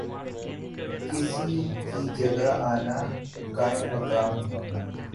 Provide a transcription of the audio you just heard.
کسی کی جگہ آنا، قائم مقام ہونا